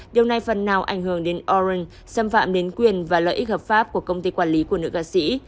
điều này phần nào ảnh hưởng đến orent xâm phạm đến quyền và lợi ích hợp pháp của công ty quản lý của nữ ca sĩ